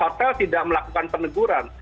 hotel tidak melakukan peneguran